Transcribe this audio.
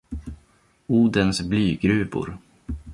Odens blygruvor.